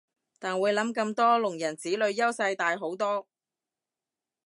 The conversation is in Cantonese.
但會諗咁多聾人子女優勢大好多